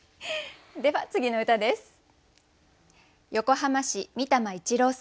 では次の歌です。